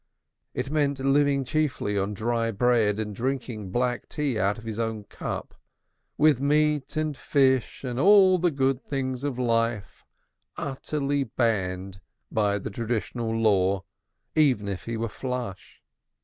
It meant living chiefly on dry bread and drinking black tea out of his own cup, with meat and fish and the good things of life utterly banned by the traditional law, even if he were flush.